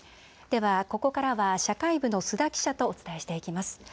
ではここからは社会部の須田記者とお伝えしていきます。